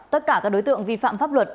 tất cả các đối tượng vi phạm pháp luật